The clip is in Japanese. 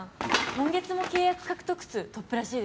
今月も契約獲得数トップらしいですよ。